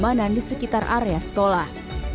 keamanan di sekitar area sekolah